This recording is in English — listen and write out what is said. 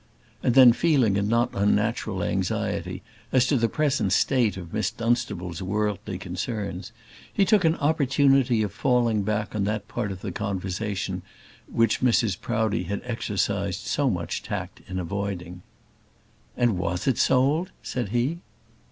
And then, feeling a not unnatural anxiety as to the present state of Miss Dunstable's worldly concerns, he took an opportunity of falling back on that part of the conversation which Mrs Proudie had exercised so much tact in avoiding. "And was it sold?" said he.